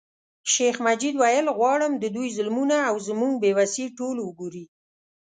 شیخ مجید ویل غواړم د دوی ظلمونه او زموږ بې وسي ټول وګوري.